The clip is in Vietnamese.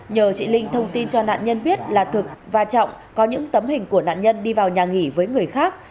nhờ chị linh thông tin cho nạn nhân biết là thực và trọng có những tấm hình của nạn nhân đi vào nhà nghỉ với người khác